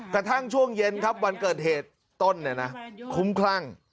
กระทั่งช่วงเย็นครับวันเกิดเหตุต้นเนี่ยนะคุ้มคร่าง